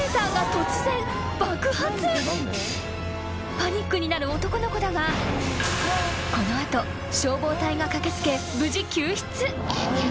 ［パニックになる男の子だがこの後消防隊が駆けつけ］